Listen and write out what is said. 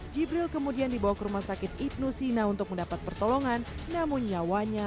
jibril kemudian dibawa ke rumah sakit ibnu sina untuk mendapat pertolongan namun nyawanya